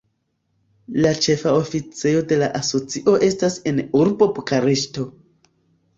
La ĉefa oficejo de la asocio estas en urbo Bukareŝto.